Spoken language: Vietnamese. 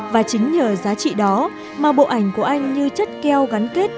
và chính nhờ giá trị đó mà bộ ảnh của anh như chất keo gắn kết